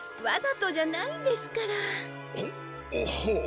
ははあ。